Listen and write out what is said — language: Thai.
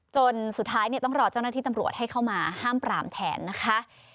จนสุดท้ายต้องรอเจ้าหน้าที่ตำรวจให้เข้ามาห้ามปรามแทนนะคะ